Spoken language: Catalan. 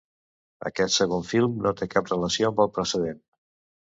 Aquest segon film no té cap relació amb el precedent.